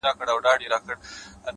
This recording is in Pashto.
ما درمل راوړه ما په سونډو باندې ووهله